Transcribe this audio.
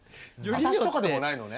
私とかでもないのね。